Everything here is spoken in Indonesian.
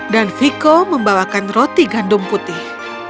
dan viko membawakan roti gandum putih